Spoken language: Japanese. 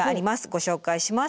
ご紹介します。